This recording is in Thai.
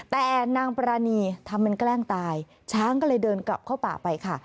แต่นางปรานีทำเป็นแกล้งตายช้างก็เลยเดินกลับเข้าป่าไปค่ะ